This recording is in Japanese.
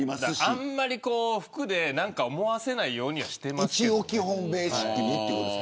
あんまり服で何か思わせないようにはしています。